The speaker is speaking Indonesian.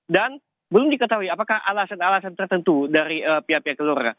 dan belum diketahui apakah alasan alasan tertentu dari pihak pihak keluarga